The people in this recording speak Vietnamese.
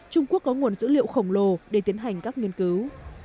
trung quốc có nguồn dữ liệu khổng lồ để tiến hành các nghiên cứu